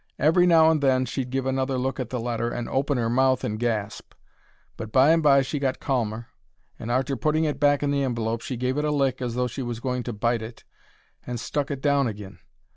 Every now and then she'd give another look at the letter and open 'er mouth and gasp; but by and by she got calmer, and, arter putting it back in the envelope, she gave it a lick as though she was going to bite it, and stuck it down agin.